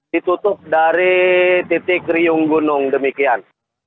ditutup dari titik riung gunung demikian